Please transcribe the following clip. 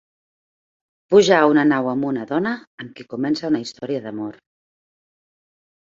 Puja a una nau amb una dona, amb qui comença una història d'amor.